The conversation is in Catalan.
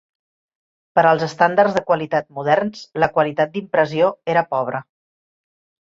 Per als estàndards de qualitat moderns, la qualitat d'impressió era pobre.